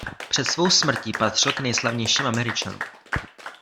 Před svou smrtí patřil k nejslavnějším Američanům.